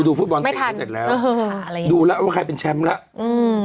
ฟุตบอลเตะให้เสร็จแล้วดูแล้วว่าใครเป็นแชมป์แล้วอืม